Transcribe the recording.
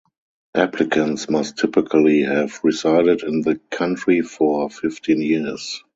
Applicants must typically have resided in the country for fifteen years.